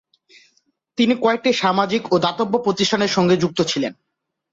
তিনি কয়েকটি সামাজিক ও দাতব্য প্রতিষ্ঠানের সঙ্গে যুক্ত ছিলেন।